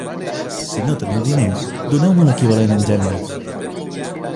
Si no teniu diners, doneu-me l'equivalent en gèneres.